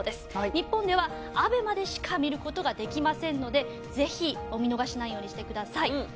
日本ではＡＢＥＭＡでしか見る事ができませんのでぜひお見逃しないようにしてください。